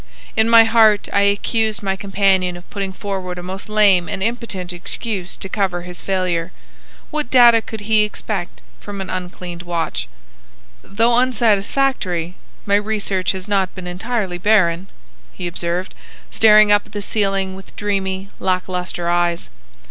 In my heart I accused my companion of putting forward a most lame and impotent excuse to cover his failure. What data could he expect from an uncleaned watch? "Though unsatisfactory, my research has not been entirely barren," he observed, staring up at the ceiling with dreamy, lack lustre eyes.